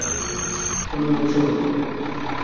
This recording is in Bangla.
নবীর সংখ্যা কত?